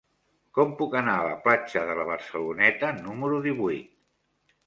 Com puc anar a la platja de la Barceloneta número divuit?